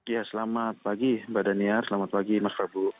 ya selamat pagi mbak daniel selamat pagi mas prabu